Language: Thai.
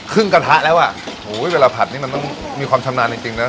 กระทะแล้วอ่ะโหยเวลาผัดนี่มันต้องมีความชำนาญจริงจริงนะ